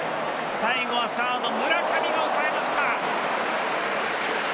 最後はサード・村上が押さえました。